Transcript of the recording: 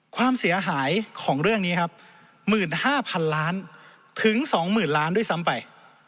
ความเสียหายของเรื่องนี้ครับ๑๕๐๐๐ล้านถึง๒๐๐๐ล้านด้วยซ้ำไป